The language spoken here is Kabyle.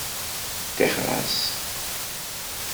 Ṭixer-as.